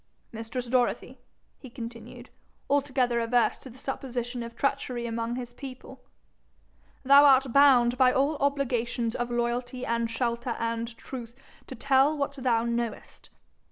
Mistress Dorothy,' he continued, altogether averse to the supposition of treachery amongst his people, 'thou art bound by all obligations of loyalty and shelter and truth, to tell what thou knowest.